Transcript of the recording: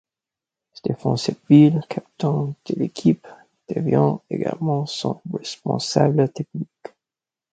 Ștefan Septville, capitaine de l’équipe, devient également son responsable technique.